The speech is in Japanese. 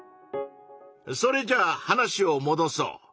それじゃあ話をもどそう。